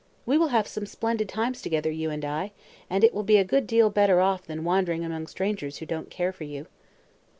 We will have some splendid times together, you and I, and you will be a good deal better off than wandering among strangers who don't care for you."